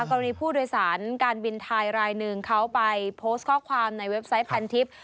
กรณีผู้โดยสารการบินไทยรายหนึ่งเขาไปโพสต์ข้อความในเว็บไซต์พันทิพย์